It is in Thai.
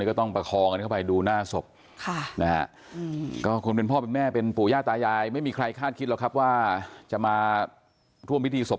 นี่ก็ต้องประคองกันเข้าไปดูหน้าศพ